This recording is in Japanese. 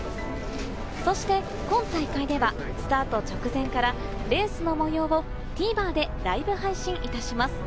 そして今大会ではスタート直前からレースの模様をＴＶｅｒでライブ配信いたします。